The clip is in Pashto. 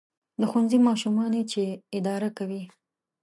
• د ښوونځي ماشومان یې چې اداره کوي.